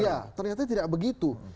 iya ternyata tidak begitu